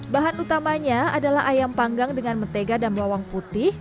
bahan utamanya adalah ayam panggang dengan mentega dan bawang putih